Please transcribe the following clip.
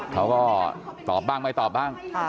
เขาก็ตอบบ้างไม่ตอบบ้าง